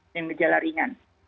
dengan jalan ringan